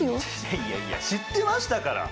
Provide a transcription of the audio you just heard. いやいやいや知ってましたから。